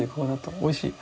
おいしい。